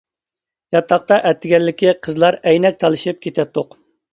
ياتاقتا ئەتىگەنلىكى قىزلار ئەينەك تالىشىپ كېتەتتۇق.